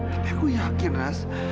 tapi aku yakin ras